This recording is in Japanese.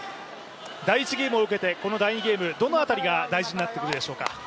第１ゲームを受けて第２ゲーム、どの辺りが大事になってくるでしょうか？